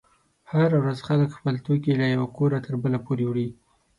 هره ورځ خلک خپل توکي له یوه کوره تر بله پورې وړي.